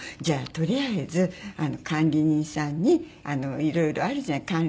じゃあとりあえず管理人さんに色々あるじゃない？